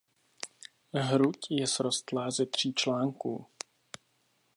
Hruď je srostlá ze tří článků.